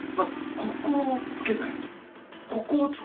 ここをつけないと。